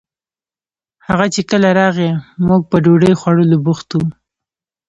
هغه چې کله راغئ موږ په ډوډۍ خوړولو بوخت وو